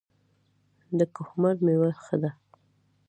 د کهمرد میوه ښه ده